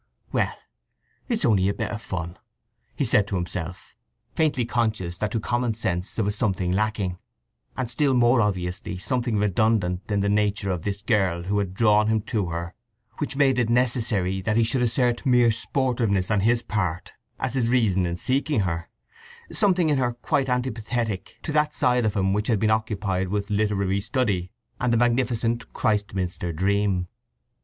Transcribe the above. "Well, it's only a bit of fun," he said to himself, faintly conscious that to common sense there was something lacking, and still more obviously something redundant in the nature of this girl who had drawn him to her which made it necessary that he should assert mere sportiveness on his part as his reason in seeking her—something in her quite antipathetic to that side of him which had been occupied with literary study and the magnificent Christminster dream.